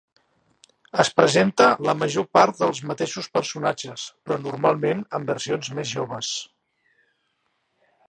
Es presenta la major part dels mateixos personatges, però normalment en versions més joves.